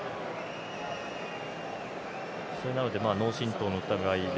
それなので脳震とうの疑いで